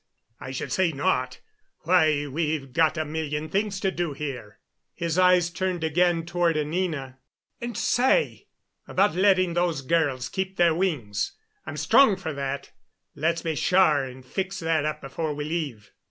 I should say not. Why, we've got a million things to do here." His eyes turned again toward Anina. "And, say about letting those girls keep their wings. I'm strong for that. Let's be sure and fix that up before we leave."